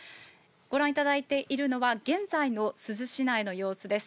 ご覧いただいているのは、現在の珠洲市内の様子です。